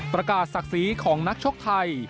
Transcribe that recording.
ประกาศศักดิ์สีของนักชกไทย